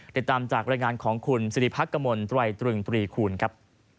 ติดตามจากรายงานของคุณสิริพักกมลตรายตรึงตรีคูณครับ